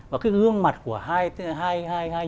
và cái gương mặt của hai người